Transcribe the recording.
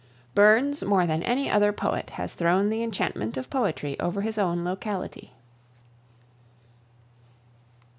Burns, more than any other poet, has thrown the enchantment of poetry over his own locality.